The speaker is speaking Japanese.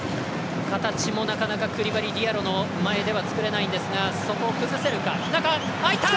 形もなかなかクリバリ、ディアロの前では作れないんですがそこを崩せるか。